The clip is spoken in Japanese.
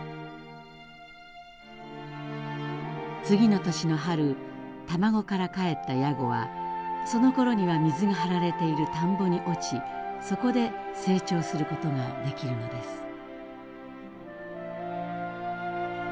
次の年の春卵からかえったヤゴはそのころには水がはられている田んぼに落ちそこで成長することができるのです。